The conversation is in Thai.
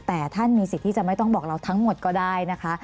แต่ท่านมีสิทธิ์ที่จะไม่ต้องบอกเราทั้งหมดก็ได้นะคะ